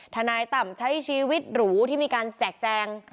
นายต่ำใช้ชีวิตหรูที่มีการแจกแจง